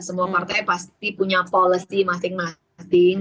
semua partai pasti punya policy masing masing